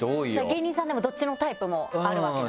芸人さんでもどっちのタイプもあるわけなんですね。